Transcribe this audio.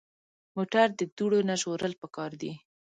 موټر د دوړو نه ژغورل پکار دي.